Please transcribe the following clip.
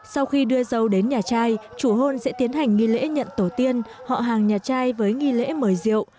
sau khi đưa dâu đến nhà trai chủ hôn sẽ tiến hành nghi lễ nhận tổ tiên họ hàng nhà trai với nghi lễ mời diệu